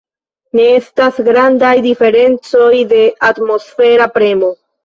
Ne estas grandaj diferencoj de atmosfera premo.